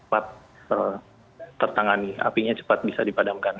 cepat tertangani apinya cepat bisa dipadamkan